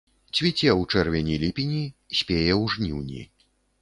Цвіце ў чэрвені-ліпені, спее ў жніўні.